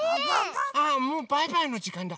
あっもうバイバイのじかんだ。